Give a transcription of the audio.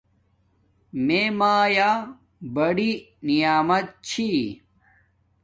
میے میا بڑی نعمت چھی